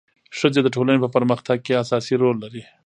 ښځې د ټولنې په پرمختګ کې اساسي رول لري.